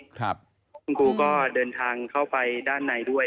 คุณครูก็เดินทางเข้าไปด้านในด้วย